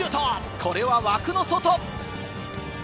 これは枠の外。